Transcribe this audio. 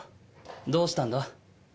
どうしたんだ？